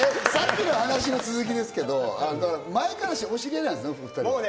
さっきの話の続きですけど、前からお知り合いなんですね？